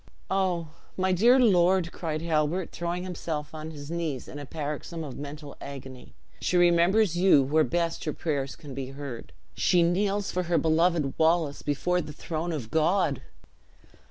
"Oh, my dear lord!" cried Halbert, throwing himself on his knees in a paroxysm of mental agony, "she remembers you where best her prayers can be heard. She kneels for her beloved Wallace, before the throne of God!"